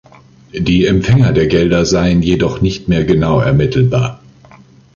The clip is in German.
Die Empfänger der Gelder seien jedoch nicht mehr genau ermittelbar.